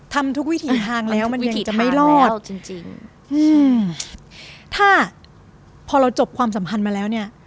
ทำทุกวิถีทางแล้วมันยังจะไม่รอดจริงอืมถ้าพอเราจบความสำคัญมาแล้วเนี้ย